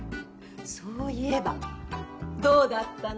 そういえばどうだったの？